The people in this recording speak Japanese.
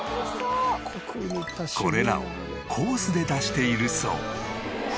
これらをコースで出しているそう。